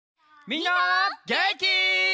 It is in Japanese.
みんなげんき？